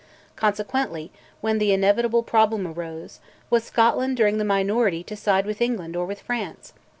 Consequently, when the inevitable problem arose, was Scotland during the minority to side with England or with France?